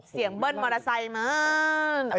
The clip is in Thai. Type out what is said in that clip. เสียงเบิ้ลมอเตอร์ไซค์มาออกไป